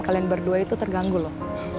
kalian berdua itu terganggu loh